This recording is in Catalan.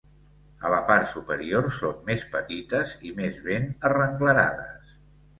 A la part superior són més petites i més ben arrenglerades.